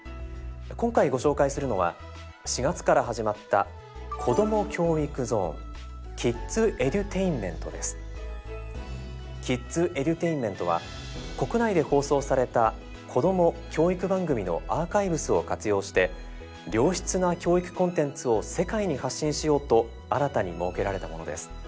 今回ご紹介するのは４月から始まった「ＫｉｄｓＥｄｕｔａｉｎｍｅｎｔ」は国内で放送されたこども・教育番組のアーカイブスを活用して良質な教育コンテンツを世界に発信しようと新たに設けられたものです。